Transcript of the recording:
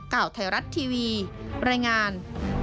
ข่าวไทยรัฐทีวีรายงาน